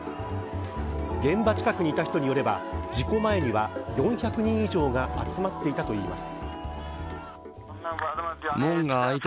現場近くにいた人によれば事故前には４００人以上が集まっていたといいます。